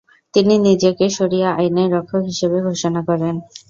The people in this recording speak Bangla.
তিনি নিজেকে 'শরিয়া আইনের রক্ষক' হিসেবে ঘোষণা করেন।